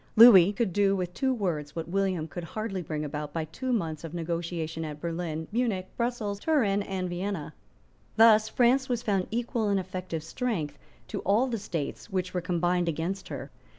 Lewis could do with two words what William could hardly bring about by two months of negotiation at Berlin, Munich, Brussels, Turin and Vienna. Thus France was found equal in effective strength to all the states which were combined against her.